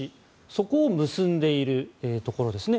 そこを結んでいるところですね。